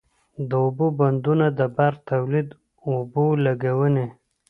د اوبو بندونه د برق تولید، اوبو لګونی،